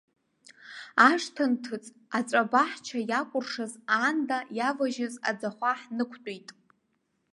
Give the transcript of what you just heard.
Ашҭа нҭыҵ, аҵәа баҳча иакәыршаз аанда иаважьыз аӡахәа ҳнықәтәеит.